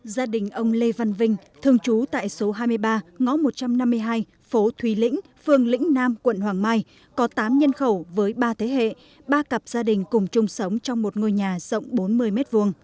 gia đình ông lê văn vinh thường trú tại số hai mươi ba ngõ một trăm năm mươi hai phố thùy lĩnh phường lĩnh nam quận hoàng mai có tám nhân khẩu với ba thế hệ ba cặp gia đình cùng chung sống trong một ngôi nhà rộng bốn mươi m hai